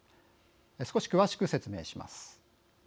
少し詳しく説明します。